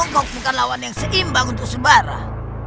maaf kongkok bukan lawan yang seimbang untuk sebarah